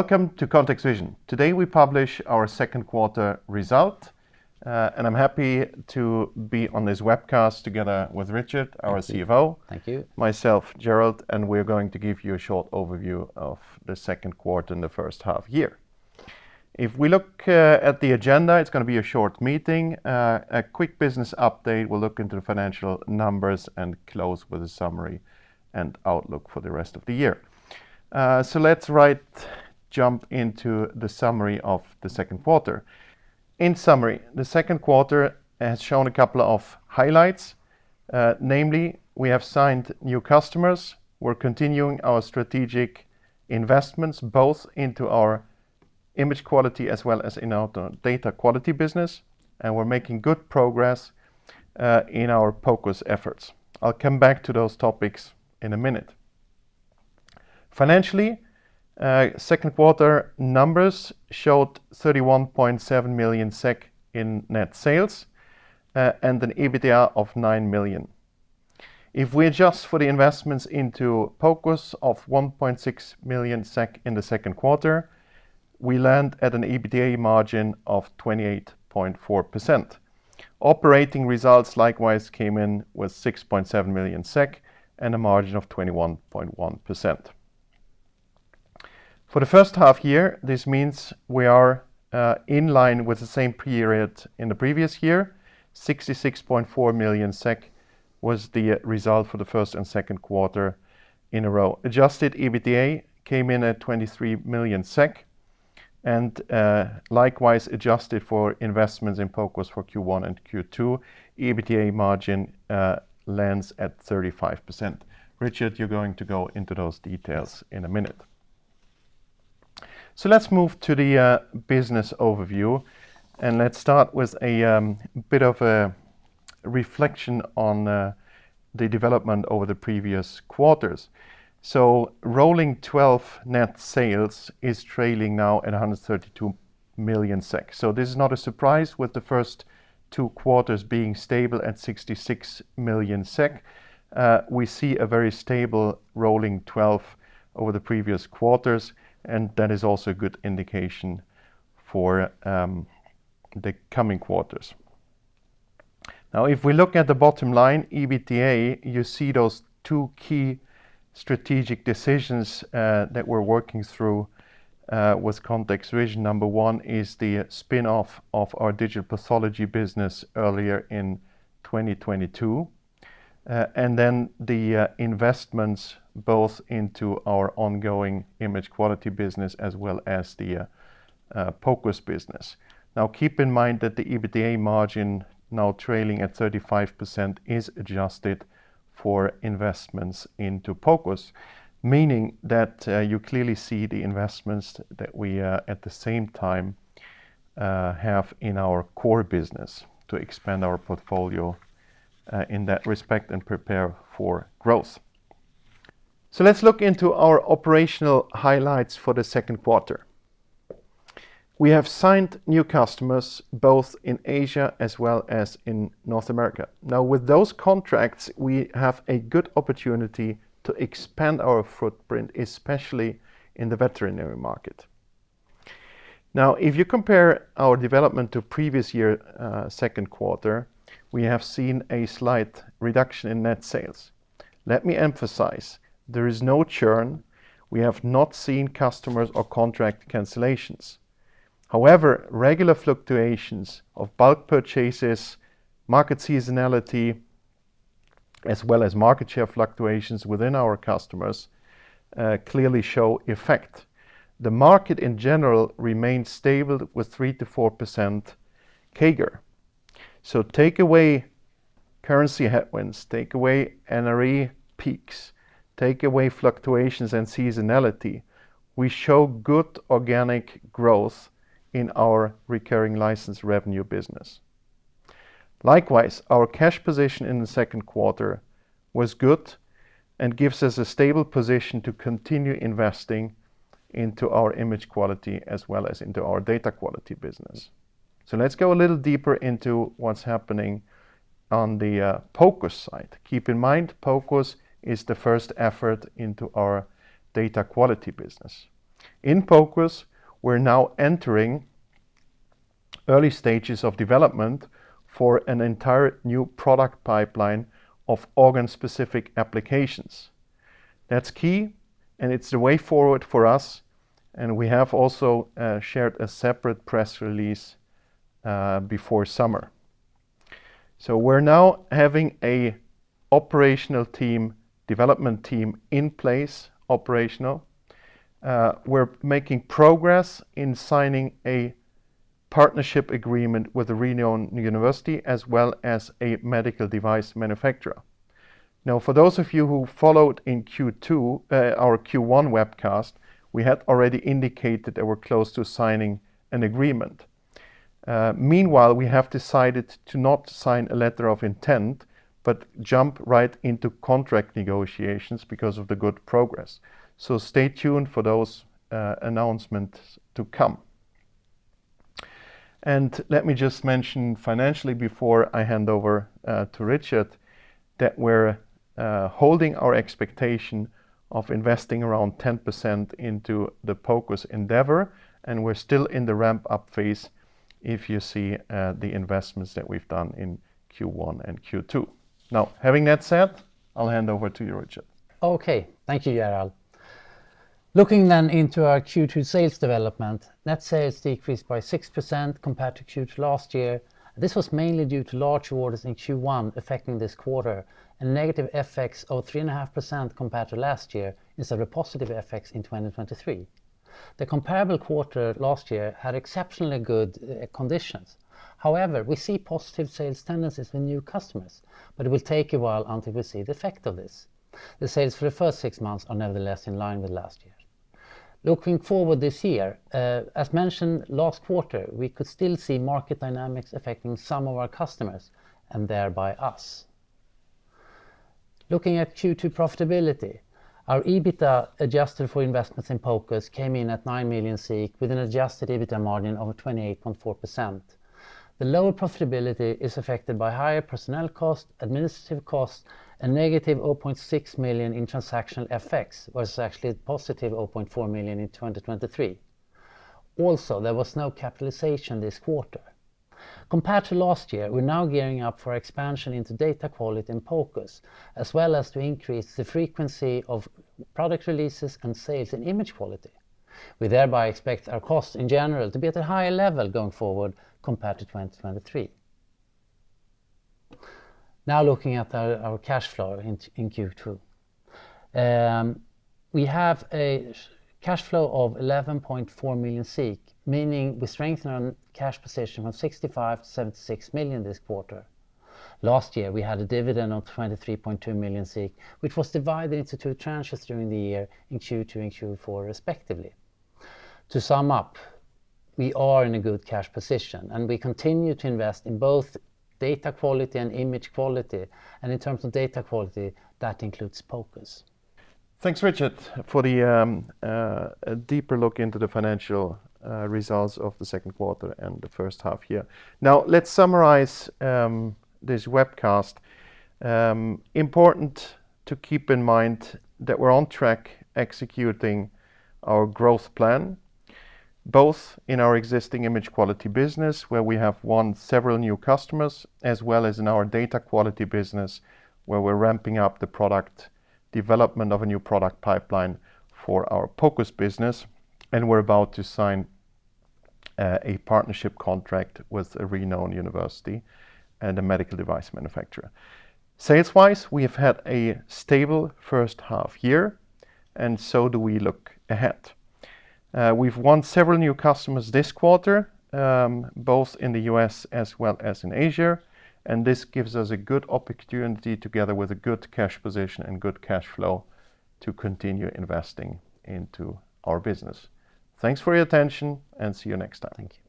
Welcome to ContextVision. Today we publish our second quarter result, and I'm happy to be on this webcast together with Richard, our CFO. Thank you. Myself, Gerald, and we're going to give you a short overview of the second quarter and the first half year. If we look at the agenda, it's gonna be a short meeting. A quick business update, we'll look into the financial numbers, and close with a summary and outlook for the rest of the year, so let's jump right into the summary of the second quarter. In summary, the second quarter has shown a couple of highlights, namely, we have signed new customers, we're continuing our strategic investments, both into our Image Quality as well as in our Data Quality business, and we're making good progress in our POCUS efforts. I'll come back to those topics in a minute. Financially, second quarter numbers showed 31.7 million SEK in net sales, and an EBITDA of 9 million. If we adjust for the investments into POCUS of 1.6 million SEK in the second quarter, we land at an EBITDA margin of 28.4%. Operating results, likewise, came in with 6.7 million SEK and a margin of 21.1%. For the first half year, this means we are in line with the same period in the previous year. 66.4 million SEK was the result for the first and second quarter in a row. Adjusted EBITDA came in at 23 million SEK, and likewise, adjusted for investments in POCUS for Q1 and Q2, EBITDA margin lands at 35%. Richard, you're going to go into those details in a minute, so let's move to the business overview, and let's start with a bit of a reflection on the development over the previous quarters. So rolling 12 net sales is trailing now at 132 million SEK. So this is not a surprise, with the first two quarters being stable at 66 million SEK. We see a very stable rolling 12 over the previous quarters, and that is also a good indication for the coming quarters. Now, if we look at the bottom line, EBITDA, you see those two key strategic decisions that we're working through with ContextVision. Number one is the spin-off of our digital pathology business earlier in 2022, and then the investments both into our ongoing image quality business as well as the POCUS business. Now, keep in mind that the EBITDA margin, now trailing at 35%, is adjusted for investments into POCUS. Meaning, that, you clearly see the investments that we, at the same time, have in our core business to expand our portfolio, in that respect and prepare for growth. So let's look into our operational highlights for the second quarter. We have signed new customers, both in Asia as well as in North America. Now, with those contracts, we have a good opportunity to expand our footprint, especially in the veterinary market. Now, if you compare our development to previous year, second quarter, we have seen a slight reduction in net sales. Let me emphasize, there is no churn. We have not seen customers or contract cancellations. However, regular fluctuations of bulk purchases, market seasonality, as well as market share fluctuations within our customers, clearly show effect. The market in general remains stable with 3% to 4% CAGR. So take away currency headwinds, take away NRE peaks, take away fluctuations and seasonality, we show good organic growth in our recurring license revenue business. Likewise, our cash position in the second quarter was good and gives us a stable position to continue investing into our image quality as well as into our data quality business. Let's go a little deeper into what's happening on the POCUS side. Keep in mind, POCUS is the first effort into our data quality business. In POCUS, we're now entering early stages of development for an entire new product pipeline of organ-specific applications. That's key, and it's the way forward for us, and we have also shared a separate press release before summer. We're now having a operational team, development team in place, operational. We're making progress in signing a partnership agreement with a renowned university, as well as a medical device manufacturer. Now, for those of you who followed in Q2 our Q1 webcast, we had already indicated that we're close to signing an agreement. Meanwhile, we have decided to not sign a letter of intent, but jump right into contract negotiations because of the good progress, so stay tuned for those announcements to come, and let me just mention financially before I hand over to Richard that we're holding our expectation of investing around 10% into the POCUS endeavor, and we're still in the ramp-up phase, if you see the investments that we've done in Q1 and Q2. Now, having that said, I'll hand over to you, Richard. Okay. Thank you, Gerald. Looking then into our Q2 sales development, net sales decreased by 6% compared to Q2 last year. This was mainly due to large orders in Q1 affecting this quarter, and negative FX of 3.5% compared to last year, instead of a positive FX in 2023. The comparable quarter last year had exceptionally good conditions. However, we see positive sales tendencies with new customers, but it will take a while until we see the effect of this. The sales for the first six months are nevertheless in line with last year. Looking forward this year, as mentioned last quarter, we could still see market dynamics affecting some of our customers, and thereby us. Looking at Q2 profitability, our EBITDA, adjusted for investments in POCUS, came in at 9 million, with an Adjusted EBITDA margin of 28.4%. The lower profitability is affected by higher personnel cost, administrative costs, and negative 0.6 million in transactional FX, which was actually positive 0.4 million in 2023. Also, there was no capitalization this quarter. Compared to last year, we're now gearing up for expansion into Data Quality in POCUS, as well as to increase the frequency of product releases and sales in Image Quality. We thereby expect our costs in general to be at a higher level going forward compared to 2023. Now, looking at our cash flow in Q2. We have a cash flow of 11.4 million, meaning we strengthen our cash position from 65 million to 76 million this quarter. Last year, we had a dividend of 23.2 million, which was divided into two tranches during the year in Q2 and Q4, respectively. To sum up, we are in a good cash position, and we continue to invest in both data quality and image quality, and in terms of data quality, that includes POCUS. Thanks, Richard, for the deeper look into the financial results of the second quarter and the first half year. Now, let's summarize this webcast. Important to keep in mind that we're on track executing our growth plan, both in our existing image quality business, where we have won several new customers, as well as in our data quality business, where we're ramping up the product development of a new product pipeline for our POCUS business, and we're about to sign a partnership contract with a renowned university and a medical device manufacturer. Sales-wise, we have had a stable first half year, and so do we look ahead. We've won several new customers this quarter, both in the U.S. as well as in Asia, and this gives us a good opportunity, together with a good cash position and good cash flow, to continue investing into our business. Thanks for your attention, and see you next time. Thank you.